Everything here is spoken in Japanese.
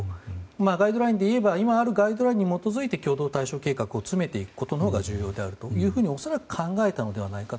ガイドラインでいえば今あるガイドラインに基づいて共同対処計画を詰めていくことが重要であるというふうに恐らく、考えたのではないかと。